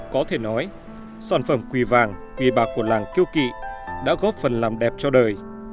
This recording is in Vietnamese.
có thể nói sản phẩm quỳ vàng quỳ bạc của làng kiều kỵ đã góp phần làm đẹp cho đời